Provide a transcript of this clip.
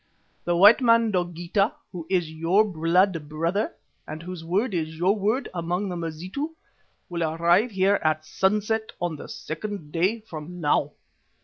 The white man Dogeetah, who is your blood brother and whose word is your word among the Mazitu, will arrive here at sunset on the second day from now.